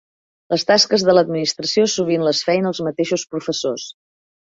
Les tasques de l'administració sovint les feien els mateixos professors.